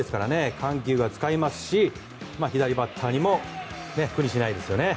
緩急が使えますし左バッターも苦にしないですね。